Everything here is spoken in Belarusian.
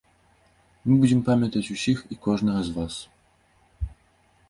Мы будзем памятаць усіх і кожнага з вас.